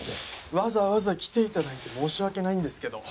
わざわざ来ていただいて申し訳ないんですけど。